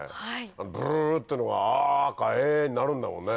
あの「ブルル」っていうのが「ア」か「エ」になるんだもんね。